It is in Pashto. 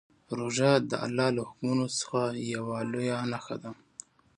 روژه د الله له حکمونو څخه یوه لویه نښه ده.